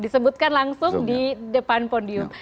disebutkan langsung di depan podium